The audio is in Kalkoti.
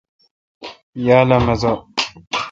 یال اؘ مزہ۔